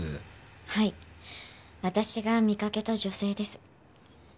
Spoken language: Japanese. はい私が見かけた女性です。